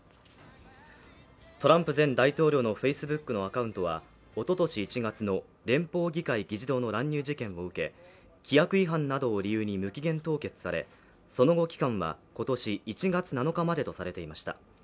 トランプ前大統領のＦａｃｅｂｏｏｋのアカウントは、おととし１月の連邦議会議事堂の乱入事件を受け規約違反などを理由に無期限凍結されその後、期間は今年１月７日までとされていました。